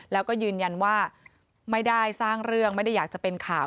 แล้วก็ยืนยันว่าไม่ได้สร้างเรื่องไม่ได้อยากจะเป็นข่าว